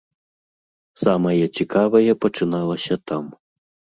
Самае цікавае пачыналася там.